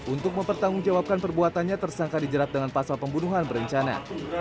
untuk mempertanggungjawabkan perbuatannya tersangka dijerat dengan pasal pembunuhan berencana